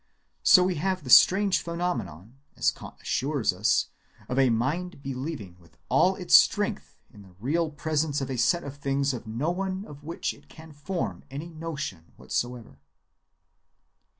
So we have the strange phenomenon, as Kant assures us, of a mind believing with all its strength in the real presence of a set of things of no one of which it can form any notion whatsoever.